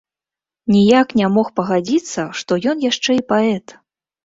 Ніяк не мог пагадзіцца, што ён яшчэ і паэт.